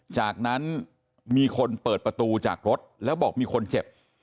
จากนั้นมีคนเปิดประตูจากรถแล้วบอกมีคนเจ็บ